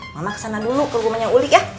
mama kesana dulu ke rumahnya uli ya